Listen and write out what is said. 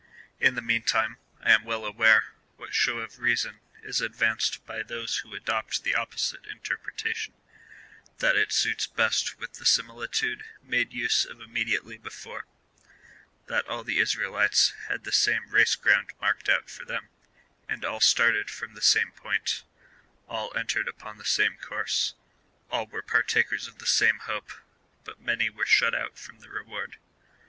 In the meantime, I am well aware, what show of reason is advan ced by those who adopt the opposite interpretation — that it suits best with the similitude made use of immediately before — that all the Israelites had the same race ground marked out for them, and all started from the same point : all entered upon the same course : all were partakers of the same hope, but many were shut out from the reward.